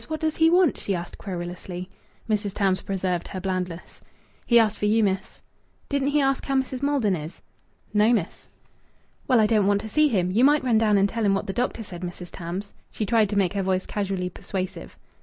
What does he want?" she asked querulously. Mrs. Tams preserved her blandness. "He asked for you, miss." "Didn't he ask how Mrs. Maldon is?" "No, miss." "Well, I don't want to see him. You might run down and tell him what the doctor said, Mrs. Tams." She tried to make her voice casually persuasive.